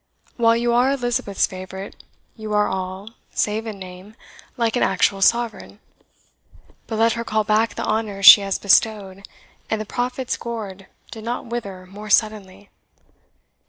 While you are Elizabeth's favourite, you are all, save in name, like an actual sovereign. But let her call back the honours she has bestowed, and the prophet's gourd did not wither more suddenly.